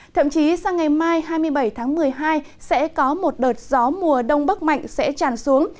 thậm chí sang ngày mai hai mươi bảy tháng một mươi hai sẽ có một đợt gió mùa đông bắc mạnh sẽ tràn xuống